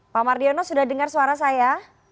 pak mardiono sudah dengar suara saya